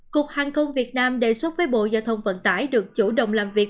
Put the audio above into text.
cục hàng không việt nam đề xuất với bộ giao thông vận tải được chủ động làm việc